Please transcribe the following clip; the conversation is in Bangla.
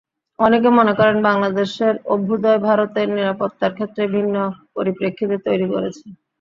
অনেকে মনে করেন, বাংলাদেশের অভ্যুদয় ভারতের নিরাপত্তার ক্ষেত্রে ভিন্ন পরিপ্রেক্ষিত তৈরি করেছে।